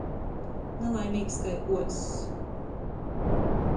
Nalaimeigs kai uozs.